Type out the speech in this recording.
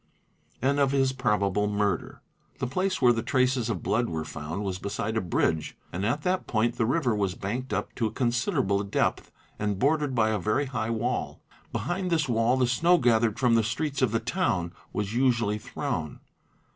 and of his probable murder. The place where the traces of blood were found was beside a bridge and at that point the river was banked up to a consider able depth and bordered by a very high wall. Behind this wall the snow gathered from the streets of the town was usually thrown.